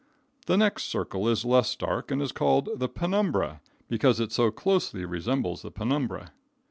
The next circle is less dark, and called the penumbra, because it so closely resembles the penumbra.